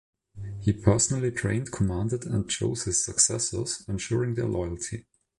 He personally trained, commanded, and chose his successors, ensuring their loyalty.